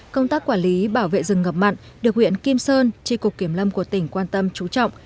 công tác quản lý bảo vệ rừng ngập mặn được huyện kim sơn tri cục kiểm lâm của tỉnh quan tâm trú trọng